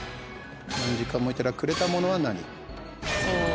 何時間もいたらくれたものは何？